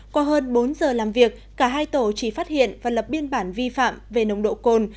qua hơn bốn giờ làm việc cả hai tổ chỉ phát hiện và lập biên bản vi phạm về nồng độ cồn